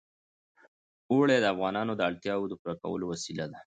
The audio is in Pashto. اوړي د افغانانو د اړتیاوو د پوره کولو وسیله ده.